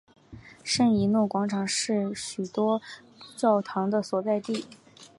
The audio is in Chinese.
圣以诺广场是许多教堂的所在地。